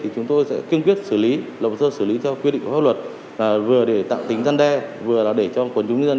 chúng tôi tuyên truyền